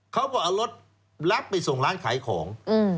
เขาก็เอารถรับไปส่งร้านขายของ